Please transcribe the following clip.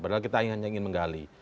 padahal kita hanya ingin menggali